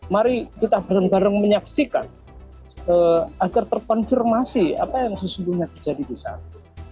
mari kita bareng bareng menyaksikan agar terkonfirmasi apa yang sesungguhnya terjadi di sana